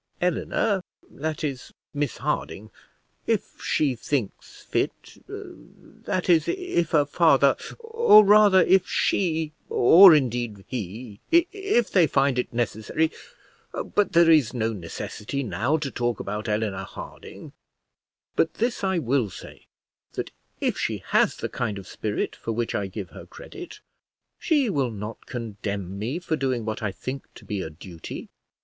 "Eleanor, that is, Miss Harding, if she thinks fit, that is, if her father or, rather, if she or, indeed, he, if they find it necessary but there is no necessity now to talk about Eleanor Harding; but this I will say, that if she has the kind of spirit for which I give her credit, she will not condemn me for doing what I think to be a duty."